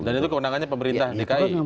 dan itu keundangannya pemerintah dki